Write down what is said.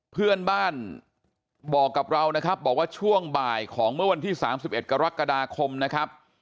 เพื่อนบ้านบอกกับเรานะครับบอกว่าช่วงบ่ายของเมื่อวันที่๓๑กรกฎาคมนะครับ